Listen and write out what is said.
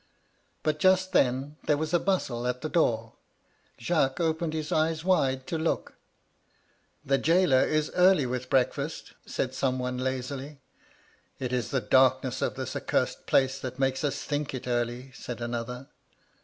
But just then there was a bustle at the door. Jacques opened his eyes wide to look. "* The gaoler is early with breakfast/ said some one, lazily. ^^'It is the darkness of this accursed place that makes us think it early,' said another.